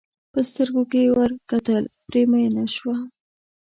په سترګو کې یې ور کتل پرې مینه شوه.